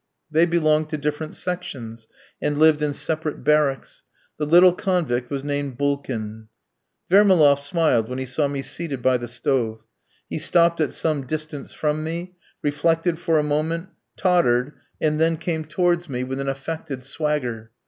They belonged to different sections, and lived in separate barracks. The little convict was named Bulkin. Vermaloff smiled when he saw me seated by the stove. He stopped at some distance from me, reflected for a moment, tottered, and then came towards me with an affected swagger.